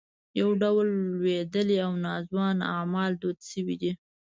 یو ډول لوېدلي او ناځوانه اعمال دود شوي دي.